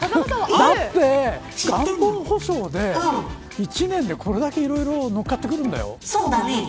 だって元本保証で、一年でこれだけいろいろ乗っかってくるんだよ。